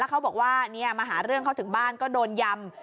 เขาบอกว่ามาหาเรื่องเขาถึงบ้านก็โดนยำ